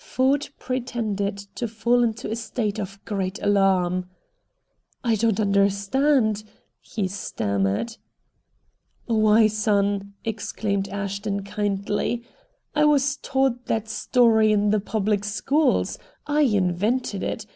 Ford pretended to fall into a state of great alarm. "I don't understand," he stammered. "Why, son," exclaimed Ashton kindly, "I was taught that story in the public schools. I invented it.